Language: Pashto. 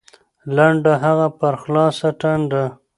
لنډه هغه په خلاصه ټنډه